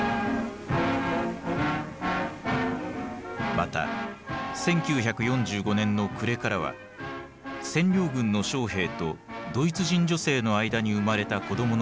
また１９４５年の暮れからは占領軍の将兵とドイツ人女性の間に生まれた子どもの存在が表面化する。